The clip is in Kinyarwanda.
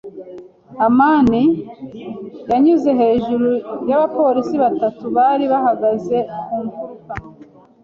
amani yanyuze hejuru y’abapolisi batatu bari bahagaze ku mfuruka.